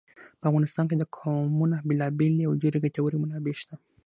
په افغانستان کې د قومونه بېلابېلې او ډېرې ګټورې منابع شته.